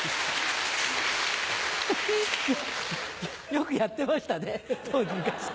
よくやってましたね当時。